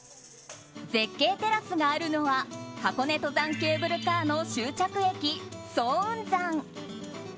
絶景テラスがあるのは箱根登山ケーブルカーの終着駅早雲山。